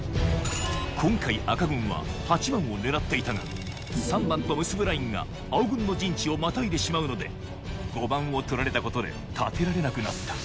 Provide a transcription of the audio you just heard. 今回赤軍は８番を狙っていたが３番と結ぶラインが青軍の陣地をまたいでしまうので５番を取られたことで立てられなくなった